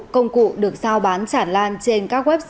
công cụ được sao bán sản lan